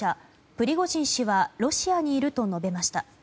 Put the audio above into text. プリゴジン氏はロシアにいると述べました。